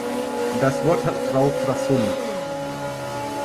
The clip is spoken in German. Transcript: Das Wort hat Frau Frassoni.